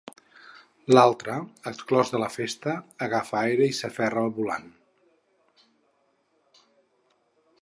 L'altre, exclòs de la festa, agafa aire i s'aferra al volant.